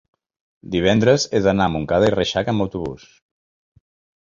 divendres he d'anar a Montcada i Reixac amb autobús.